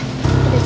semakin aku puas